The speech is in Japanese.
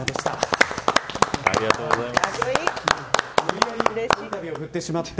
ありがとうございます。